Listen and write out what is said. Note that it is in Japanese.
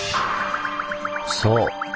そう。